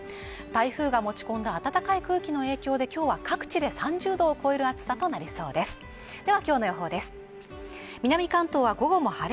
台風が持ち込んだ暖かい空気の影響できょうは各地で３０度を超える暑さとなりそうです